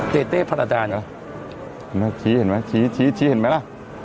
เต้เต้พระอาจารย์เหรอชี้เห็นไหมชี้ชี้ชี้เห็นไหมล่ะ